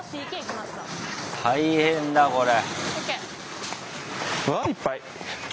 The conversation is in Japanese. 大変だこれ。